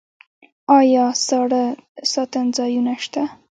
آیا ساړه ساتنځایونه شته؟